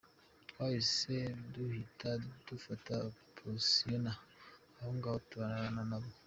Twahise duhita dufata positiona aho ngaho turarana nabo.